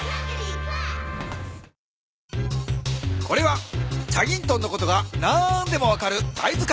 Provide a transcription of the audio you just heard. これは『チャギントン』のことが何でも分かるだい